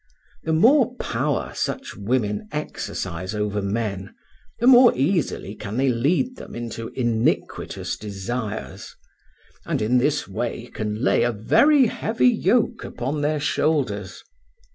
The more power such women exercise over men, the more easily can they lead them into iniquitous desires, and in this way can lay a very heavy yoke upon their shoulders.